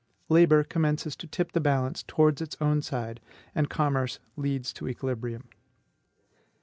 Labor commences to tip the balance towards its own side, and commerce leads to equilibrium.